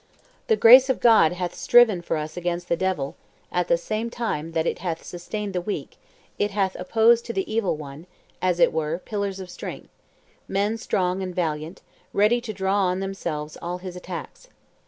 "The grace of God hath striven for us against the devil: at the same time that it hath sustained the weak, it hath opposed to the Evil One, as it were, pillars of strength men strong and valiant, ready to draw on themselves all his attacks.